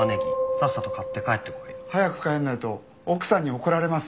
さっさと買って帰ってこい！」早く帰らないと奥さんに怒られます。